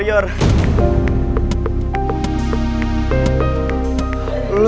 kita berdua harus keluar dari club warrior